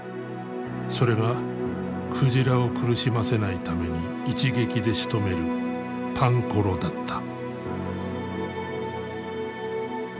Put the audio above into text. それが鯨を苦しませないために一撃でしとめるパンコロだった。